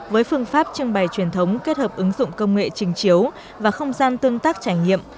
với phương pháp trưng bày truyền thống kết hợp ứng dụng công nghệ trình chiếu và không gian tương tác trải nghiệm